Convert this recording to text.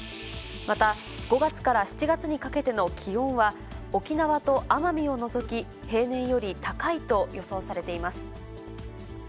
また、５月から７月にかけての気温は、沖縄と奄美を除き、平年より高いと予想されています。